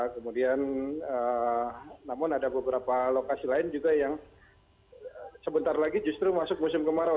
kemudian namun ada beberapa lokasi lain juga yang sebentar lagi justru masuk musim kemarau